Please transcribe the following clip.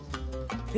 え？